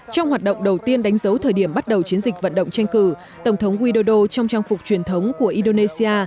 trong hoạt động đầu tiên đánh dấu thời điểm bắt đầu chiến dịch vận động tranh cử tổng thống widodo trong trang phục truyền thống của indonesia